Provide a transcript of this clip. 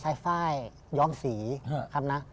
ย้อมสีครับนะ